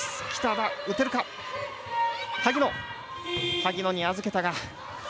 萩野に預けたが。